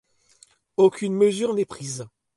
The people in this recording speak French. Aucune mesure n'est prise.